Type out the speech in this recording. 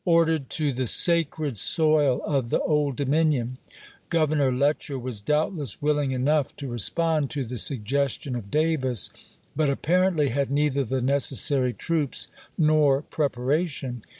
ordered to the " sacred soil " of the Old Dominion, chai Groveruor Letcher was doubtless willing enough to respond to the suggestion of Davis, but apparently had neither the necessary troops nor preparation.